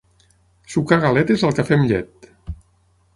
Sucar galetes al cafè amb llet.